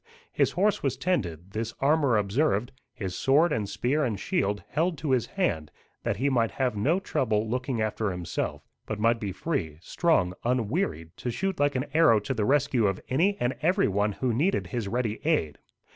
His horse was tended, this armour observed, his sword and spear and shield held to his hand, that he might have no trouble looking after himself, but might be free, strong, unwearied, to shoot like an arrow to the rescue of any and every one who needed his ready aid.